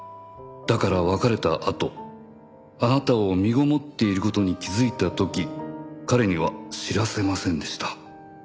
「だから別れた後あなたを身籠もっていることに気づいたとき彼には知らせませんでした」